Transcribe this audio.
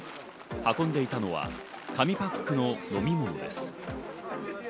運んでいたのは紙パックの飲み物です。